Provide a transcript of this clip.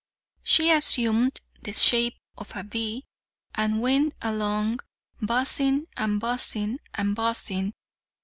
She assumed the shape of a bee and went along buzzing, and buzzing, and buzzing.